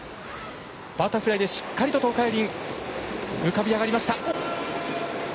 バタフライでしっかり東海林浮かび上がりました。